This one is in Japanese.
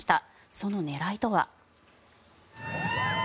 その狙いとは。